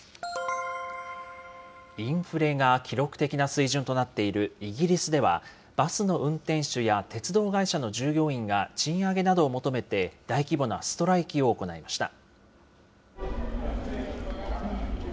インフレが記録的な水準となっているイギリスでは、バスの運転手や鉄道会社の従業員が賃上げなどを求めて大規模なストライキを行いました。